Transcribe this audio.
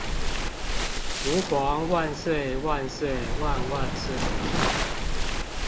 吾皇萬歲萬歲萬萬歲